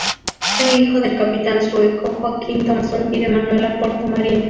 Fue hijo del capitán sueco Joaquín Thomson y de Manuela Porto Mariño.